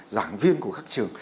giảng viên của các trường